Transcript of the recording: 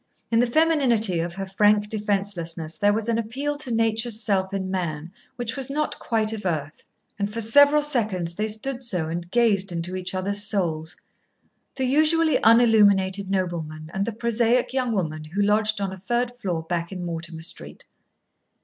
In the femininity of her frank defencelessness there was an appeal to nature's self in man which was not quite of earth. And for several seconds they stood so and gazed into each other's souls the usually unilluminated nobleman and the prosaic young woman who lodged on a third floor back in Mortimer Street.